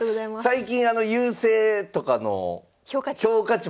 最近優勢とかの評価値。